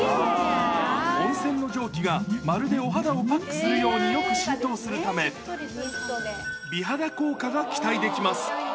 温泉の蒸気が、まるでお肌をパックするようによく浸透するため、美肌効果が期待できます。